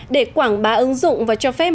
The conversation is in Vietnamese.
để quảng bá ứng dụng và cho phép